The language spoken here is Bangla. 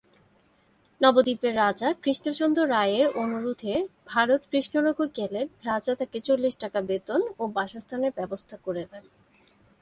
নবদ্বীপের রাজা কৃষ্ণচন্দ্র রায়ের অনুরোধে ভারত কৃষ্ণনগর গেলে রাজা তাকে চল্লিশ টাকা বেতন ও বাসস্থানের ব্যবস্থা করে দেন।